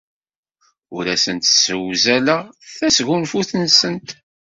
Ur asent-ssewzaleɣ tasgunfut-nsent.